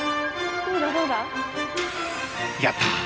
やった！